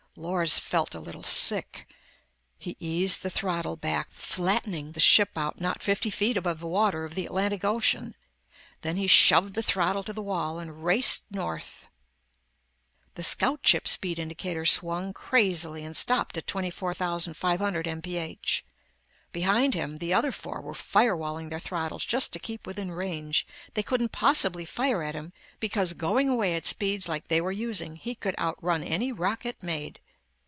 Lors felt a little sick. He eased the throttle back, flattening the ship out not fifty feet above the water of the Atlantic Ocean. Then he shoved the throttle to the wall and raced north. The Scout ship speed indicator swung crazily and stopped at 24,500 m.p.h. Behind him, the other four were firewalling their throttles just to keep within range. They couldn't possibly fire at him, because going away at speeds like they were using, he could outrun any rocket made.